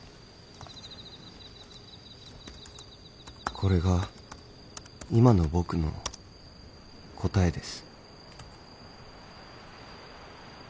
これが今の僕の答えです